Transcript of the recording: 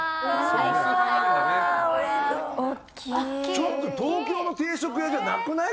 ちょっと東京の定食屋じゃなくない？